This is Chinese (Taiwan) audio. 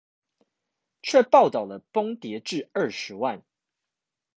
卻報導了崩跌至二十萬